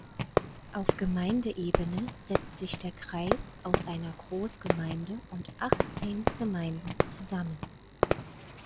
Auf Gemeindeebene setzt sich der Kreis aus einer Großgemeinde und achtzehn Gemeinden zusammen.